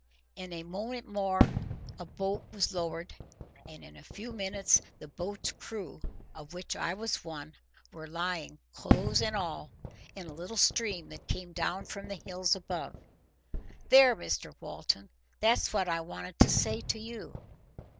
In a moment more a boat was lowered, and in a few minutes the boat's crew, of which I was one, were lying, clothes and all, in a little stream that came down from the hills above.—There, Mr Walton! that's what I wanted to say to you."